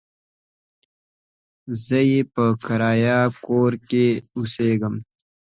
زه يې په کرايه کور کې اوسېږم.